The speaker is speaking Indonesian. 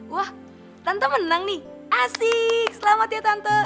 wah tante menang nih asik selamat ya tante